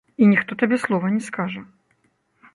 І ніхто табе слова не скажа.